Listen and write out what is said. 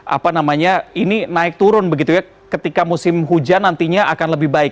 apa namanya ini naik turun begitu ya ketika musim hujan nantinya akan lebih baik